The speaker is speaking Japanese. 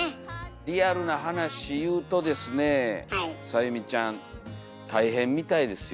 リアルな話言うとですねさゆみちゃん大変みたいですよ。